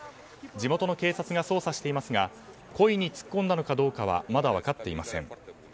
地元の警察が捜査してますが故意に突っ込んだのかどうかはまだ分かっていません。